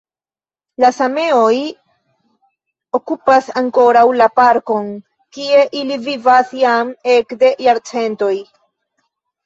La sameoj okupas ankoraŭ la parkon, kie ili vivas jam ekde jarcentoj.